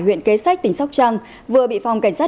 huyện kế sách tỉnh sóc trăng vừa bị phòng cảnh sát